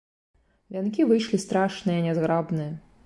Вянкі выйшлі страшныя, нязграбныя.